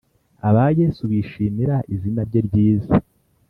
Aba yesu bishimira izina rye ryiza